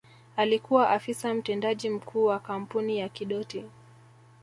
Alikuwa Afisa Mtendaji Mkuu wa kampuni ya Kidoti